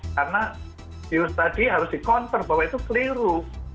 karena tius tadi harus dikontrol bahwa itu keliru